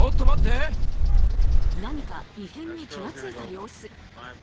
何か異変に気が付いた様子。